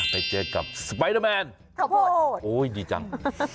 ไปเจอกับสไปเดอร์แมนขอบคุณโอ้ยดีจัง